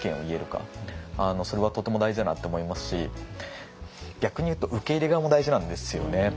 それはとても大事だなって思いますし逆に言うと受け入れ側も大事なんですよね。